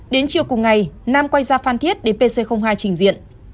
đến chiều cùng ngày nam quay ra phan thiết đến pc hai trình diện